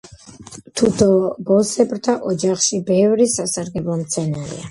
თუთუბოსებრთა ოჯახში ბევრი სასარგებლო მცენარეა.